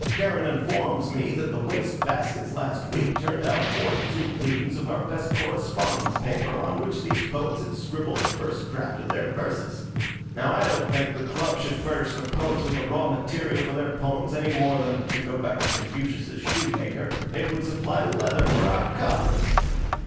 Charon informs me that the waste baskets last week turned out forty two reams of our best correspondence paper on which these poets had scribbled the first draft of their verses. Now I don't think the club should furnish the poets with the raw material for their poems any more than, to go back to Confucius's shoemaker, it should supply leather for our cobblers."